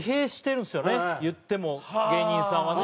言っても芸人さんはね。